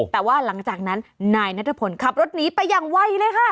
แต่ว่าหลังจากนั้นนายนัทพลขับรถหนีไปอย่างไวเลยค่ะ